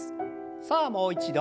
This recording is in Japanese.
さあもう一度。